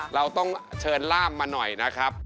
เราต้องเชิญล่ามมาหน่อยนะครับ